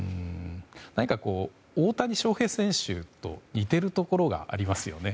何か、大谷翔平選手と似ているところがありますよね。